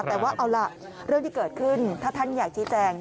แต่ว่าเอาล่ะเรื่องที่เกิดขึ้นถ้าท่านอยากชี้แจง